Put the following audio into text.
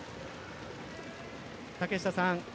竹下さん